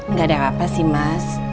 nggak ada apa apa sih mas